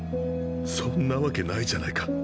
そんなわけないじゃないか。